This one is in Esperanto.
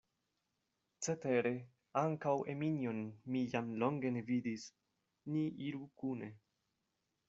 Cetere ankaŭ Eminjon mi jam longe ne vidis, ni iru kune.